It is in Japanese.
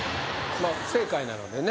不正解なのでね